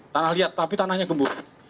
tanah liat tapi tanahnya gembur